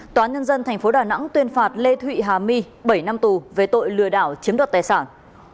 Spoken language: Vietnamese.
tòa nhân dân tp đà nẵng tuyên phạt lê thụy hà my bảy năm tù về tội lừa đảo chiếm đoạt tài sản